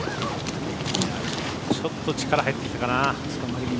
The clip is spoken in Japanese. ちょっと力入ってきたかな。